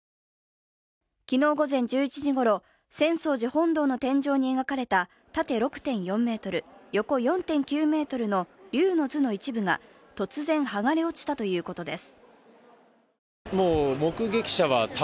昨日午前１１時ごろ、浅草寺本堂の天井に描かれた縦６．４ｍ、横４．９ｍの「龍之図」の一部が突然、剥がれ落ちたということです